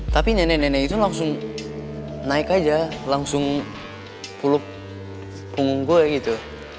tapi nenek nenek itu langsung naik aja langsung kulup punggung gue gitu